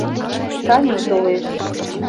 Саню толеш.